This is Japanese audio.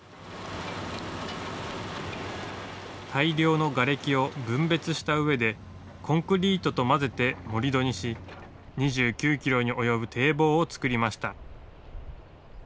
大量のがれきを分別したうえでコンクリートと混ぜて盛り土にし２９キロに及ぶ堤防を作りました。